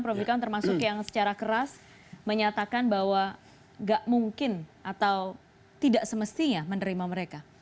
prof ikam termasuk yang secara keras menyatakan bahwa gak mungkin atau tidak semestinya menerima mereka